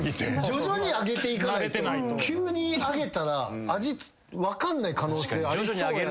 徐々に上げていかないと急に上げたら味分かんない可能性ありそうやなと。